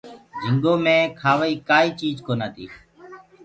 جهنگو مي کآوآ ڪيٚ ڪآئي بي چيج ڪونآ هوندي۔